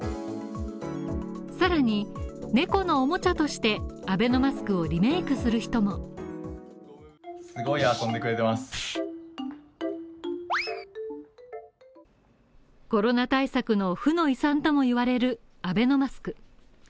さらに、猫のおもちゃとして、アベノマスクをリメイクする人もコロナ対策の負の遺産とも言われる、アベノマスク。